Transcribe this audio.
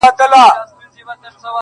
سړي وویل د کاکا زوی دي حاکم دئ-